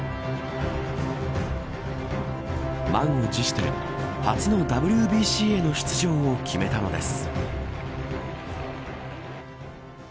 満を持して初のＷＢＣへの出場を決めたのです。